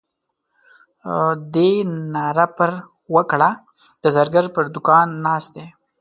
دې ناره پر وکړه د زرګر پر دوکان ناست دی.